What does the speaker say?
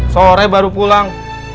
sore baru pulang